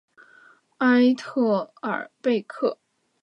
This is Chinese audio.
埃特尔贝克。